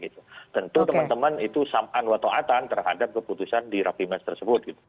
tentu teman teman itu sam'an wa to'atan terhadap keputusan di rapimnas tersebut